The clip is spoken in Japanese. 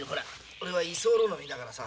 俺は居候の身だからさ。